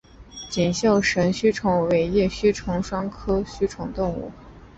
锦绣神须虫为叶须虫科双须虫属的动物。